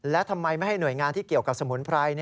และทำไมไม่ให้หน่วยงานที่เกี่ยวกับสมุนไพร